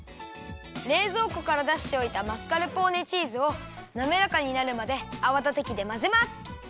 れいぞうこからだしておいたマスカルポーネチーズをなめらかになるまであわだてきでまぜます。